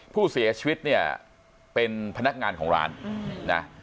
ผู้เสียชีวิตเนี่ยเป็นพนักงานของร้านนะ